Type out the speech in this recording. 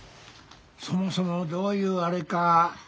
そもそもどういうあれか。